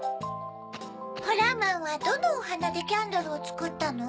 ホラーマンはどのおはなでキャンドルをつくったの？